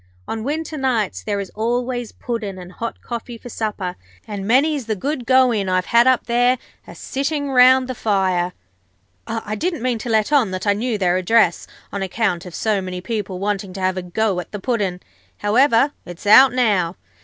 On winter nights there is always Puddin' and hot coffee for supper, and many's the good go in I've had up there, a sitting round the fire. I didn't mean to let on that I knew their address, on account of so many people wanting to have a go at the Puddin'. However, it's out now.